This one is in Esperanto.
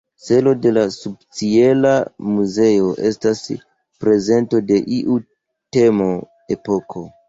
Celo de la subĉiela muzeo estas prezento de iu temo, epoko.